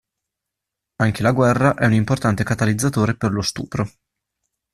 Anche la guerra è un importante catalizzatore per lo stupro.